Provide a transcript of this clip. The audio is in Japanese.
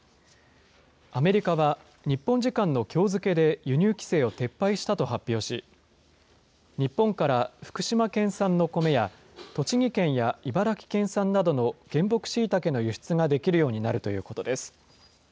アメリカは日本時間のきょう付けで輸入規制を撤廃したと発表し、日本から福島県産の米や、栃木県や茨城県産などの原木しいたけの輸出ができるようになるということです。